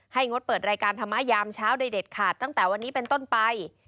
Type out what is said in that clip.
งดเปิดรายการธรรมะยามเช้าโดยเด็ดขาดตั้งแต่วันนี้เป็นต้นไป